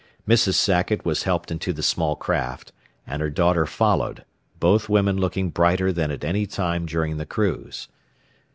Mrs. Sackett was helped into the small craft, and her daughter followed, both women looking brighter than at any time during the cruise.